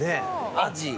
アジ。